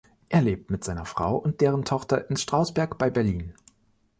Er lebt mit seiner Frau und deren Tochter in Strausberg bei Berlin.